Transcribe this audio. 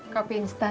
kopi instan be